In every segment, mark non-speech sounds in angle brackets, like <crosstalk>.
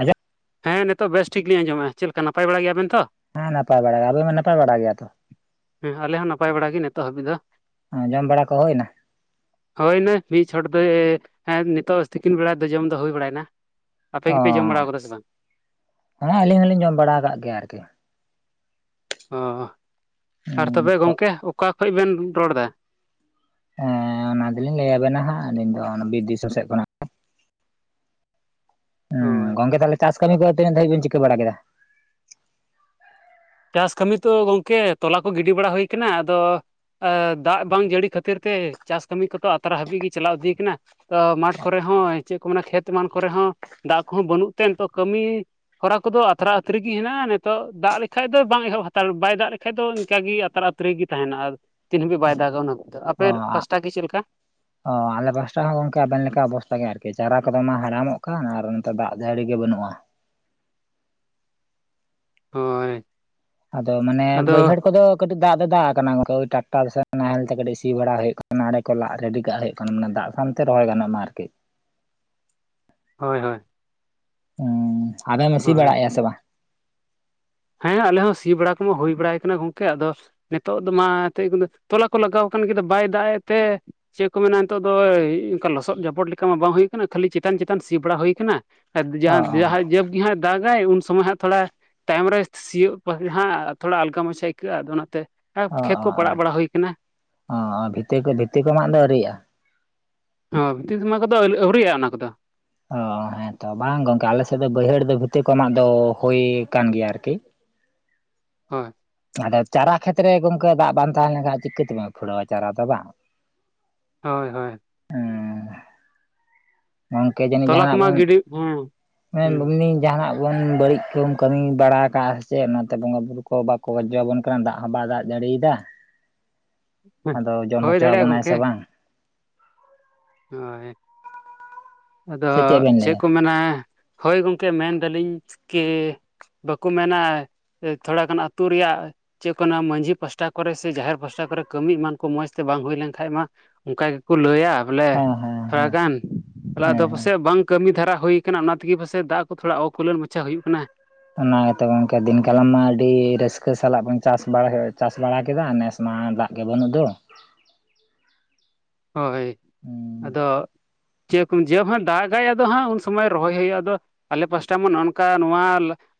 ᱟᱡᱟᱜ ᱦᱮᱸ ᱱᱤᱛᱚᱜ ᱵᱮᱥ ᱴᱷᱤᱠ ᱞᱤᱧ ᱟᱡᱚᱸᱢ ᱫᱟ ᱪᱮᱫ ᱞᱮᱠᱟ ᱱᱟᱯᱟᱭ ᱵᱟᱲᱟ ᱜᱮᱭᱟᱵᱤᱱ ᱛᱚ ᱦᱮᱸ ᱱᱟᱯᱟᱭ ᱵᱟᱲᱟ ᱜᱮᱭᱟ ᱟᱵᱮ ᱢᱟ ᱱᱟᱯᱟᱭ ᱵᱟᱲᱟ ᱜᱮᱭᱟᱛᱚ ᱦᱮᱸ ᱟᱞᱮ ᱦᱚᱸ ᱱᱟᱯᱟᱭ ᱵᱟᱲᱟ ᱜᱮ ᱱᱤᱛᱚᱜ ᱦᱟᱹᱵᱤᱡ ᱫᱚ ᱡᱚᱢ ᱵᱟᱲᱟ ᱠᱚ ᱦᱩᱭ ᱮᱱᱟ ᱦᱚᱭ ᱱᱟ ᱢᱤᱫ ᱪᱷᱚᱴ ᱫᱚ ᱱᱤᱛᱚᱜ ᱛᱤᱠᱤᱱ ᱵᱮᱲᱟ ᱫᱚ ᱡᱚᱢ ᱫᱚ ᱦᱩᱭ ᱵᱟᱲᱟᱭ ᱮᱱᱟ ᱚ ᱦᱮᱸ ᱟᱹᱞᱤᱧ ᱦᱚᱞᱤᱧ ᱡᱚᱢ ᱵᱟᱲᱟ ᱟᱠᱟᱫ ᱜᱮᱭᱟ ᱟᱨᱠᱤ ᱚ ᱟᱨ ᱦᱮᱸ ᱛᱚᱵᱮ ᱜᱚᱢᱠᱮ ᱚᱠᱟ ᱠᱷᱚᱱ ᱵᱮᱱ ᱨᱚᱲ ᱮᱫᱟ ᱦᱮᱸ ᱚᱱᱟ ᱫᱚᱞᱤᱧ ᱞᱟᱹᱭᱟᱵᱮᱱᱟ ᱦᱟᱸᱜ ᱟᱹᱞᱤᱧ ᱫᱚ ᱵᱤᱨ ᱫᱤᱥᱚᱢ ᱥᱮᱫ ᱠᱷᱚᱱᱟᱜ ᱦᱩᱸ ᱦᱳᱭ ᱜᱚᱝᱠᱮ ᱛᱟᱦᱚᱞᱮ ᱪᱟᱥ ᱠᱟᱹᱢᱤ ᱠᱚ ᱛᱤᱱᱟᱹᱜ ᱫᱷᱟᱵᱤᱡ ᱵᱤᱱ ᱪᱤᱠᱟᱹ ᱵᱟᱲᱟ ᱠᱮᱫᱟ ᱪᱟᱥ ᱠᱟᱹᱢᱤ ᱛᱚ ᱜᱚᱝᱠᱮ ᱛᱚᱞᱟ ᱠᱚ ᱜᱤᱰᱤ ᱵᱟᱲᱟ ᱦᱩᱭ ᱠᱟᱱᱟ ᱟᱫᱚ ᱫᱟᱜ ᱵᱟᱝ ᱡᱟᱹᱲᱤ ᱠᱷᱟᱹᱛᱤᱨ ᱛᱮ ᱪᱟᱥ ᱠᱟᱹᱢᱤ ᱠᱚᱫᱚ ᱟᱛᱨᱟ ᱦᱟᱹᱵᱤᱡ ᱜᱮ ᱪᱟᱞᱟᱣ ᱤᱫᱤ ᱠᱟᱱᱟ ᱫᱚ ᱢᱟᱴᱷ ᱠᱚᱨᱮ ᱦᱚᱸ ᱪᱮᱫ ᱠᱚ ᱢᱮᱱᱟ ᱠᱷᱮᱛ ᱮᱢᱟᱱ ᱠᱚᱨᱮ ᱦᱚᱸ ᱫᱟᱜ ᱠᱚᱦᱚᱸ ᱵᱟᱹᱱᱩᱜ ᱛᱮ ᱱᱤᱛᱚᱜ ᱠᱟᱹᱢᱤ ᱦᱚᱨᱟ ᱠᱚᱫᱚ ᱟᱛᱨᱟ ᱟᱹᱛᱷᱨᱤ ᱜᱮ ᱦᱮᱱᱟᱜ-ᱟ ᱱᱤᱛᱚᱜ ᱫᱟᱜ ᱠᱷᱟᱡ ᱫᱚ ᱵᱟᱝ ᱮᱦᱚᱵ ᱦᱟᱛᱟᱲ ᱵᱟᱭ ᱫᱟᱜ ᱞᱮᱠᱟᱡ ᱫᱚ ᱤᱱᱠᱟᱜᱮ ᱟᱛᱟᱨ ᱟᱛᱨᱮ ᱜᱮ ᱛᱟᱦᱮᱱᱟ ᱟᱨ ᱛᱤᱱ ᱦᱟᱹᱵᱤᱡ ᱵᱟᱭ ᱫᱟᱜᱟ ᱚᱱᱟ ᱫᱚ ᱟᱯᱮ ᱚ ᱯᱟᱥᱴᱟ ᱜᱤ ᱪᱮᱫ ᱞᱮᱠᱟ ᱚ ᱟᱞᱮ ᱯᱟᱥᱴᱟ ᱦᱚᱸ ᱜᱚᱝᱠᱮ ᱟᱵᱤᱱ ᱞᱮᱠᱟ ᱚᱵᱚᱥᱛᱟ ᱜᱮ ᱟᱨᱠᱤ ᱪᱟᱨᱟ ᱠᱚᱫᱚ ᱢᱟ ᱦᱟᱲᱟᱢᱚᱜ ᱠᱟᱱ ᱟᱨ ᱱᱚᱛᱮ ᱫᱟᱜ ᱡᱟᱹᱲᱤ ᱜᱮ ᱵᱟᱹᱱᱩᱜᱼᱟ ᱦᱚᱭ ᱟᱫᱚ ᱢᱟᱱᱮ ᱵᱟᱹᱭᱦᱟᱹᱲ ᱠᱚᱫᱚ ᱠᱟᱹᱴᱤᱡ ᱫᱟᱜ ᱫᱚ ᱫᱟᱜ ᱟᱠᱟᱱᱟ ᱜᱚᱝᱠᱮ ᱴᱟᱠᱴᱟᱨ ᱥᱮ ᱱᱟᱦᱮᱞ ᱛᱮ ᱠᱟᱹᱴᱤᱡ ᱥᱤ ᱵᱟᱲᱟ ᱦᱩᱭᱩᱜ ᱠᱟᱱᱟ ᱱᱟᱲᱰᱮ ᱠᱚ ᱞᱟᱜ ᱨᱮᱰᱤ ᱠᱟᱜ ᱦᱩᱭᱩᱜ ᱠᱟᱱᱟ ᱠᱟᱱᱟ ᱢᱟᱱᱮ ᱫᱟᱜ ᱥᱟᱶᱛᱮ ᱨᱚᱦᱚᱭ ᱜᱟᱱᱚᱜ ᱢᱟ ᱟᱨᱠᱤ ᱦᱚᱭ ᱦᱚᱭ ᱦᱮᱸ ᱟᱵᱤᱱ ᱥᱤ ᱦᱳᱭ ᱵᱟᱲᱟᱭᱮᱫᱼᱟ ᱥᱮ ᱵᱟᱝ ᱦᱮᱸ ᱟᱞᱮ ᱦᱚᱸ ᱥᱤ ᱵᱟᱲᱟ ᱠᱚᱢᱟ ᱦᱩᱭ ᱵᱟᱲᱟᱭ ᱠᱟᱱᱟ ᱜᱚᱝᱠᱮ ᱟᱫᱚ ᱱᱤᱛᱚᱜ ᱫᱚ ᱢᱟ ᱮᱱᱛᱮᱫ ᱛᱚᱞᱟ ᱠᱚ ᱞᱟᱜᱟᱣ ᱠᱟᱱ ᱜᱮ ᱵᱟᱭ ᱫᱟᱜ ᱮ ᱛᱮ ᱪᱮᱫ ᱠᱚ ᱢᱮᱱᱟ ᱱᱤᱛᱚᱜ ᱫᱚ ᱚᱱᱠᱟ ᱞᱚᱥᱚᱫ ᱡᱟᱯᱚᱫ ᱞᱮᱠᱟ ᱢᱟ ᱵᱟᱝ ᱦᱩᱭ ᱠᱟᱱᱟ ᱠᱷᱟᱹᱞᱤ ᱪᱮᱛᱟᱱ ᱪᱮᱛᱟᱱ ᱥᱤ ᱵᱟᱲᱟ ᱦᱩᱭ ᱟᱠᱟᱱᱟ ᱟᱨ ᱚ ᱡᱟᱦᱟᱸ ᱚ ᱡᱟᱦᱟᱸ ᱡᱟᱹᱵᱽ ᱜᱮ ᱦᱟᱸᱜ ᱫᱟᱜᱟᱭ ᱩᱱ ᱥᱚᱢᱚᱭ ᱦᱟᱸᱜ ᱛᱷᱚᱲᱟ ᱛᱟᱭᱚᱢ ᱨᱮ ᱥᱤᱭᱩᱜ ᱦᱟᱸᱜ ᱛᱷᱚᱲᱟ ᱟᱞᱜᱟ ᱢᱟᱪᱷᱟ ᱟᱹᱭᱠᱟᱹᱜᱼᱟ ᱟᱫᱚ ᱚᱱᱟᱛᱮ ᱚ ᱠᱷᱮᱛ ᱚ ᱠᱚ ᱯᱟᱲᱟᱜ ᱵᱟᱲᱟ ᱦᱩᱭ ᱠᱟᱱᱟ ᱚ ᱤᱛᱟᱹ ᱠᱚ ᱵᱷᱤᱛᱤ ᱠᱚ ᱢᱟᱜ ᱫᱚ ᱟᱹᱣᱨᱤᱭᱟᱜᱼᱟ ᱦᱤᱛᱤᱱ ᱥᱚᱭ ᱠᱚᱫᱚ ᱟᱹᱣᱨᱤᱭᱟᱜᱼᱟ ᱚᱱᱟ ᱠᱚᱫᱚ ᱚ ᱦᱮᱸ ᱛᱚ ᱵᱟᱝ ᱜᱚᱝᱠᱮ ᱟᱞᱮᱥᱮᱫ ᱫᱚ ᱵᱟᱹᱭᱦᱟᱹᱲ ᱫᱚ ᱵᱷᱤᱛᱤᱨ ᱠᱚ ᱢᱟᱜ ᱫᱚ ᱦᱩᱭ ᱟᱠᱟᱱ ᱜᱮᱭᱟ ᱟᱨᱠᱤ ᱦᱚᱭ ᱟᱫᱚ ᱪᱟᱨᱟ ᱠᱷᱮᱛᱨᱮ ᱜᱚᱝᱠᱮ ᱫᱟᱜ ᱵᱟᱝ ᱛᱟᱦᱮᱸ ᱞᱮᱱᱠᱷᱟᱱ ᱪᱤᱠᱟᱹ ᱛᱮᱵᱮ ᱯᱷᱩᱲᱟᱹᱣᱟ ᱪᱟᱨᱟ ᱫᱚ ᱵᱟᱝ ᱦᱚᱭ ᱦᱚᱭ ᱦᱮᱸ ᱜᱚᱝᱠᱮ ᱡᱟᱹᱱᱤᱡ ᱛᱚᱞᱟ ᱡᱟᱦᱟᱱᱟᱜ ᱠᱚᱢᱟ ᱵᱚᱱ ᱜᱤᱰᱤ ᱦᱮᱸ ᱮᱢ ᱡᱟᱦᱟᱱᱟᱜ ᱠᱚᱵᱚᱱ ᱵᱟᱹᱲᱤᱡ ᱠᱚ ᱵᱚᱱ ᱠᱟᱹᱢᱤ ᱵᱟᱲᱟ ᱠᱟᱜ-ᱟ ᱥᱮ ᱪᱮᱫ ᱚᱱᱟᱛᱮ ᱵᱚᱸᱜᱟ ᱵᱩᱨᱩ ᱠᱚ ᱵᱟᱠᱚ ᱜᱟᱡᱡᱚ ᱟᱵᱚᱱ ᱫᱟᱜ ᱦᱚᱸ ᱵᱟᱭ ᱫᱟᱜ ᱡᱟᱹᱲᱤᱭᱮᱫᱟ ᱦᱮᱸ ᱟᱫᱚ ᱡᱚᱢ ᱦᱳᱭ ᱦᱚᱪᱚ ᱫᱟᱲᱮᱭᱟᱜᱼᱟ ᱟᱵᱚᱱᱟᱭ ᱥᱮ ᱵᱟᱝ? ᱦᱚᱭ ᱟᱫᱚ ᱥᱮ ᱵᱮᱱ ᱪᱮᱫ ᱞᱟᱹᱭᱟ ᱠᱚ ᱢᱮᱱᱟ- ᱦᱚᱭ ᱜᱚᱢᱠᱮ ᱢᱮᱱ ᱫᱟᱞᱤᱧ ᱠᱤ ᱵᱟᱠᱚ ᱢᱮᱱᱟ ᱛᱷᱚᱲᱟ ᱜᱟᱱ ᱟᱹᱛᱩ ᱨᱮᱭᱟᱜ ᱪᱮᱫ ᱚᱱᱟ ᱢᱟᱺᱡᱷᱤ ᱯᱟᱥᱴᱟ ᱠᱚᱨᱮᱜ ᱥᱮ ᱡᱟᱦᱮᱨ ᱯᱟᱥᱴᱟ ᱠᱚᱨᱮ ᱠᱟᱹᱢᱤ ᱮᱢᱟᱱ ᱠᱚ ᱢᱚᱸᱡᱽᱛᱮ ᱵᱟᱝ ᱦᱩᱭ ᱞᱮᱱ ᱠᱷᱟᱡ ᱢᱟ ᱚᱱᱠᱟ ᱜᱮᱠᱚ ᱞᱟᱹᱭᱟ ᱵᱚᱞᱮ ᱦᱮᱸ ᱦᱮᱸ ᱦᱮᱸ ᱛᱷᱚᱲᱟᱜᱟᱱ ᱛᱟᱦᱮ ᱦᱮᱸ ᱟᱫᱚ ᱦᱮᱸ ᱯᱟᱥᱮᱡ ᱵᱟᱝ ᱠᱟᱹᱢᱤ ᱫᱷᱟᱨᱟ ᱦᱩᱭᱟ ᱟᱠᱟᱱᱟ ᱚᱱᱟ ᱛᱮᱜᱮ ᱯᱟᱥᱮᱡ ᱫᱟᱜ ᱠᱚ ᱛᱷᱚᱲᱟ ᱚᱠᱩᱞᱚᱱ ᱢᱟᱪᱷᱟ ᱦᱩᱭᱩᱜ ᱠᱟᱱᱟ ᱚᱱᱟ ᱜᱮᱛᱚ ᱜᱚᱝᱠᱮ ᱫᱤᱱ ᱠᱟᱞᱟᱝ ᱢᱟ ᱟᱹᱰᱤ ᱨᱟᱹᱥᱠᱟᱹ ᱥᱟᱞᱟᱜ ᱵᱚᱱ ᱪᱟᱥ ᱪᱟᱥ ᱵᱟᱲᱟ ᱠᱮᱫᱟ ᱢᱟ ᱫᱟᱜ ᱜᱮ ᱵᱟᱹᱱᱩᱜ ᱫᱚ ᱦᱚᱭ ᱟᱫᱚ ᱪᱮᱫ ᱠᱚᱢ ᱡᱮ ᱦᱟᱜ ᱫᱟᱜᱟᱭ ᱟᱫᱚ ᱦᱟᱸᱜ ᱩᱱ ᱥᱚᱢᱚᱭ ᱨᱚᱦᱚᱭ ᱦᱩᱭᱩᱜᱼᱟ ᱟᱫᱚ ᱟᱞᱮ ᱯᱟᱥᱴᱟ ᱢᱟ ᱱᱚᱜᱚᱭ ᱱᱚᱝᱠᱟ ᱱᱚᱣᱟ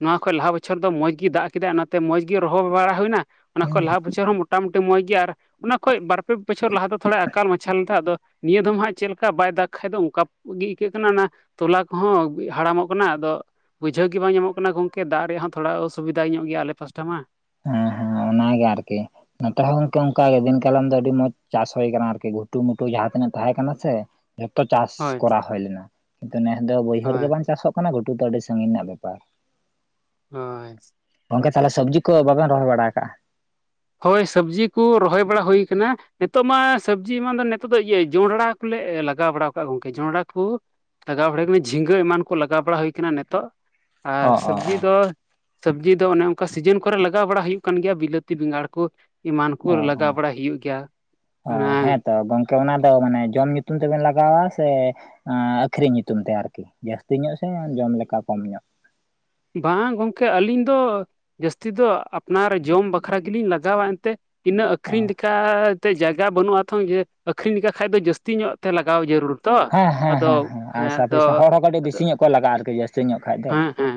ᱱᱚᱣᱟ ᱠᱷᱚᱱᱚᱡ ᱞᱟᱦᱟ ᱵᱚᱪᱷᱚᱨ ᱫᱚ ᱢᱚᱸᱡᱽ ᱜᱮ ᱫᱟᱜ ᱠᱮᱫᱟ ᱚᱱᱟᱛᱮ ᱢᱚᱸᱡᱽ ᱜᱮ ᱨᱚᱦᱚᱭ ᱵᱟᱲᱟ ᱦᱩᱭ ᱮᱱᱟ ᱚᱱᱟ ᱠᱷᱚᱡ ᱞᱟᱦᱟ ᱵᱚᱪᱷᱚᱨ ᱦᱚᱸ ᱢᱚᱴᱟᱢᱩᱴᱤ ᱢᱚᱡᱽ ᱜᱮᱭᱟ ᱟᱨ ᱚᱱᱟ ᱠᱷᱚᱱᱚᱡ ᱵᱟᱨ ᱯᱮ ᱵᱚᱪᱷᱚᱨ ᱞᱟᱦᱟ ᱫᱚ ᱛᱷᱚᱲᱟ ᱮᱠᱟᱞ ᱢᱟᱪᱷᱟᱞ ᱮᱫᱟ ᱟᱫᱚ ᱱᱤᱭᱟᱹ ᱫᱚᱢ ᱦᱟᱸᱜ ᱪᱮᱫ ᱞᱮᱠᱟ ᱵᱟᱭ ᱫᱟᱜᱽ ᱠᱷᱟᱱ ᱫᱚ ᱚᱱᱠᱟ ᱜᱮ ᱟᱹᱭᱠᱟᱹᱜ ᱠᱟᱱᱟ ᱚᱱᱟᱼ ᱛᱚᱞᱟ ᱠᱚᱦᱚᱸ ᱦᱟᱲᱟᱢᱚᱜ ᱠᱟᱱᱟ ᱟᱫᱚ ᱵᱩᱡᱷᱟᱹᱣ ᱜᱮ ᱵᱟᱝ ᱧᱟᱢᱚᱜ ᱠᱟᱱᱟ ᱜᱚᱝᱠᱮ ᱫᱟᱜ ᱨᱮᱭᱟᱜ ᱦᱚᱸ ᱛᱷᱚᱲᱟ ᱚᱥᱩᱵᱤᱫᱟ ᱧᱚᱜ ᱜᱮᱭᱟ ᱟᱞᱮ ᱯᱟᱥᱴᱟ ᱢᱟ᱾ ᱦᱮᱸ ᱦᱮᱸ ᱚᱱᱟᱜᱮ ᱟᱨᱠᱤ᱾ ᱱᱚᱛᱮ ᱨᱮ ᱦᱚᱸ ᱜᱚᱝᱠᱮ ᱚᱱᱠᱟ ᱜᱮ ᱫᱤᱱ ᱠᱟᱞᱚᱢ ᱫᱚ ᱟᱹᱰᱤ ᱢᱚᱸᱡᱽ ᱪᱟᱥ ᱦᱩᱭ ᱟᱠᱟᱱᱟ ᱟᱨᱠᱤ ᱜᱷᱩᱴᱩᱢᱩᱴᱩ ᱡᱟᱦᱟᱸ ᱛᱤᱱᱟᱹᱜ ᱛᱟᱦᱮᱸ ᱠᱟᱱᱟ ᱥᱮ᱾ ᱡᱷᱚᱛᱚ ᱪᱟᱥ ᱦᱳᱭ ᱠᱚᱨᱟᱣ ᱦᱩᱭ ᱞᱮᱱᱟ ᱠᱤᱱᱛᱩ ᱱᱮᱥ ᱫᱚ ᱵᱟᱹᱭᱦᱟᱹᱲ ᱜᱮ ᱦᱳᱭ ᱵᱟᱝ ᱪᱟᱥᱚᱜ ᱚᱱᱟ ᱜᱷᱩᱴᱩ ᱫᱚ ᱟᱹᱰᱤ ᱥᱟᱺᱜᱤᱧ ᱨᱮᱱᱟᱜ ᱵᱮᱯᱟᱨ ᱦᱚᱭ᱾ ᱜᱚᱝᱠᱮ ᱛᱟᱦᱞᱮ ᱥᱚᱵᱽᱡᱤ ᱠᱚ ᱵᱟᱵᱮᱱ ᱨᱚᱦᱚᱭ ᱵᱟᱲᱟ ᱟᱠᱟᱜᱼᱟ ᱦᱳᱭ ᱥᱚᱵᱽᱡᱤ ᱠᱚ ᱨᱚᱦᱚᱭ ᱵᱟᱲᱟ ᱦᱩᱭ ᱟᱠᱟᱱᱟ᱾ ᱱᱤᱛᱚᱜ ᱢᱟ ᱥᱚᱵᱽᱡᱤ ᱢᱟ ᱫᱚ ᱱᱤᱛᱚᱜ ᱫᱚ ᱤᱭᱟᱹ ᱡᱚᱸᱱᱰᱨᱟ ᱠᱚᱞᱮ ᱞᱟᱜᱟᱣ ᱵᱟᱲᱟᱣ ᱠᱟᱜ ᱜᱚᱢᱠᱮ ᱡᱚᱱᱰᱨᱟ ᱠᱚ- ᱞᱟᱜᱟᱣ ᱵᱟᱲᱟ ᱟᱠᱟᱱᱟ ᱡᱷᱤᱸᱜᱟᱹ ᱮᱢᱟᱱ ᱠᱚ ᱞᱟᱜᱟᱣ ᱵᱟᱲᱟ ᱦᱩᱭ ᱟᱠᱟᱱᱟ ᱱᱤᱛᱚᱜ ᱟᱨ ᱚ ᱚ ᱥᱚᱵᱽᱡᱤ ᱫᱚ ᱥᱚᱵᱽᱡᱤ ᱫᱚ ᱚᱱᱮ ᱚᱱᱠᱟ ᱥᱤᱡᱤᱱ ᱠᱚᱨᱮ ᱞᱟᱜᱟᱣ ᱵᱟᱲᱟ ᱦᱩᱭᱩᱜ ᱠᱟᱱ ᱜᱮᱭᱟ ᱵᱤᱞᱟᱹᱛᱤ ᱵᱮᱸᱜᱟᱲ ᱠᱩ ᱮᱢᱟᱱ ᱠᱚ ᱚ ᱚ ᱞᱟᱜᱟᱣ ᱵᱟᱲᱟ ᱦᱩᱭᱩᱜ ᱜᱮᱭᱟ ᱚ ᱮᱸ ᱦᱮᱸᱛᱚ ᱜᱚᱝᱠᱮ ᱚᱱᱟ ᱫᱚ ᱢᱟᱱᱮ ᱡᱚᱢ ᱧᱩᱛᱩᱢ ᱛᱮᱵᱮᱱ ᱞᱟᱜᱟᱣᱟ ᱥᱮ ᱟᱹᱠᱷᱨᱤᱧ ᱧᱩᱛᱩᱢ ᱛᱮ ᱟᱨᱠᱤ ᱡᱟᱹᱥᱛᱤ ᱧᱚᱜ ᱥᱮ ᱡᱚᱢ ᱞᱮᱠᱟ ᱠᱚᱢ ᱧᱚᱜ? ᱵᱟᱝ ᱜᱚᱢᱠᱮ ᱟᱹᱞᱤᱧ ᱫᱚ ᱡᱟᱹᱥᱛᱤ ᱫᱚ ᱟᱯᱱᱟᱨ ᱡᱚᱢ ᱵᱟᱠᱷᱨᱟ ᱜᱮᱞᱤᱧ ᱞᱟᱜᱟᱣᱟ ᱮᱱᱛᱮᱫ᱾ ᱛᱤᱱᱟᱹᱜ ᱚ ᱟᱹᱠᱷᱨᱤᱧ ᱞᱮᱠᱟᱛᱮ ᱡᱟᱭᱜᱟ ᱵᱟᱹᱱᱩᱜᱼᱟ ᱛᱷᱚ ᱡᱮ ᱟᱠᱷᱹᱨᱤᱧ ᱞᱮᱠᱟ ᱠᱷᱟᱱ ᱫᱚ ᱡᱟᱹᱥᱛᱤ ᱧᱚᱜ ᱛᱮ ᱞᱟᱜᱟᱣ ᱡᱟᱹᱨᱩᱲ᱾ ᱛᱚ ᱦᱮᱸ ᱦᱮᱸ ᱟᱫᱚ ᱟᱨ ᱦᱮᱸ ᱟᱫᱚ ᱥᱟᱯᱷᱤᱥᱮᱱ ᱦᱚᱲ ᱦᱚᱸ ᱠᱟᱹᱴᱤᱡ ᱟᱫᱚ ᱵᱮᱥᱤ ᱧᱚᱜ ᱠᱚ ᱞᱟᱜᱟᱜᱼᱟ ᱟᱨᱠᱤ ᱡᱟᱹᱥᱛᱤ ᱧᱚᱜ ᱠᱷᱟᱡ ᱫᱚ ᱦᱮᱸ ᱦᱮᱸ